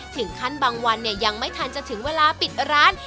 ถึงขั้นบางวันยังไม่ทันจะถึงเวลาปิดร้าน